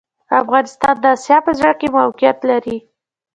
افغانستان د اسیا په زړه کي موقیعت لري